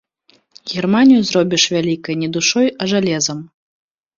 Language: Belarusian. Германію зробіш вялікай не душой, а жалезам.